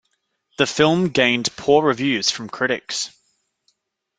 The film gained poor reviews from critics.